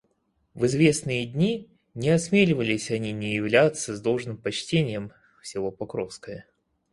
В известные дни не осмеливались они не являться с должным почтением в село Покровское.